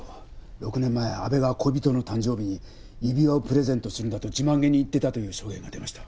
６年前阿部が恋人の誕生日に指輪をプレゼントするんだと自慢げに言っていたという証言が出ました。